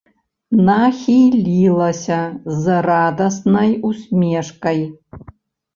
Нахілілася з радаснай усмешкай.